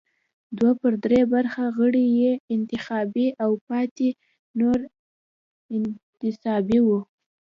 دوه پر درې برخه غړي یې انتخابي او پاتې نور انتصابي وو.